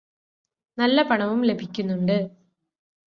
നല്ല പണവും ലഭിക്കുന്നുണ്ട്